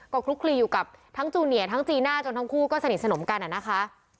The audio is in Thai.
ก็คลุกคลีอยู่กับทั้งจูเนียทั้งจีน่าจนทั้งคู่ก็สนิทสนมกันนะคะ